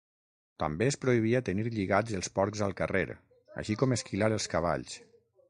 També es prohibia tenir lligats els porcs al carrer, així com esquilar els cavalls.